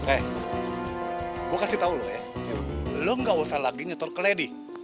eh gue kasih tau lo ya lo gak usah lagi nyetor ke lady